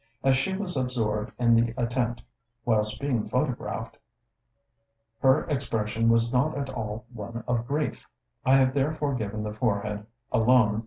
As she was absorbed in the attempt, whilst being photographed, her expression was not at all one of grief; I have therefore given the forehead alone.